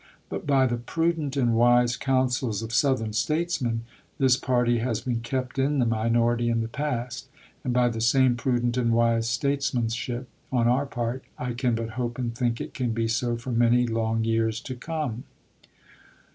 But by the prudent and wise counsels of Southern statesmen this party has been kept in the minority in the past, and by the same prudent and wise statesmanship on our part I can but hope and think it can be so for many long years to come.